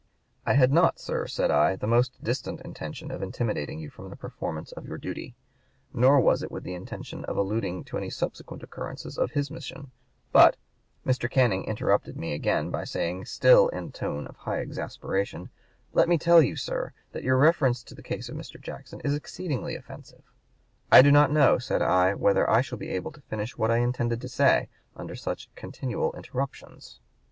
'I had not, sir,' said I, 'the most distant intention of intimidating you from the performance of your duty; nor was it with the intention of alluding to any subsequent occurrences of his mission; but' Mr. Canning interrupted me again by saying, still in a tone of high exasperation, 'Let me tell you, sir, that your reference to the case of Mr. Jackson is exceedingly offensive.' 'I do not know,' said I, 'whether I shall be able to finish what I intended to say, under such continual interruptions.'"